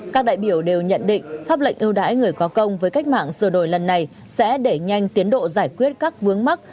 các đại biểu đều nhận định pháp lệnh ưu đãi người có công với cách mạng sửa đổi lần này sẽ đẩy nhanh tiến độ giải quyết các vướng mắc